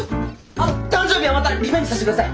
あの誕生日はまたリベンジさせて下さい！